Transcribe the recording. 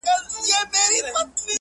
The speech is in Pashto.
o هغه سړی کلونه پس دی ـ راوتلی ښار ته ـ